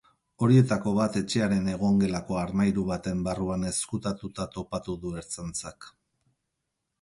Horietako bat etxearen egongelako armairu baten barruan ezkutatuta topatu du ertzaintzak.